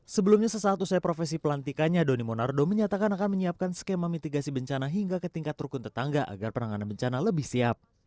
sebelumnya sesaat usai profesi pelantikannya doni monardo menyatakan akan menyiapkan skema mitigasi bencana hingga ke tingkat rukun tetangga agar penanganan bencana lebih siap